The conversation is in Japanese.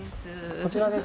こちらです。